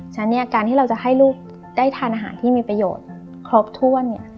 ฉะนั้นการที่เราจะให้ลูกได้ทานอาหารที่มีประโยชน์ครบถ้วน